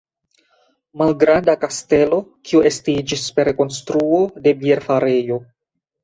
Malgranda kastelo, kiu estiĝis per rekonstruo de bierfarejo.